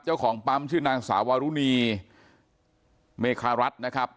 เจ้าของปั๊มชื่อนางสาวารุณีเมคารัฐนะครับ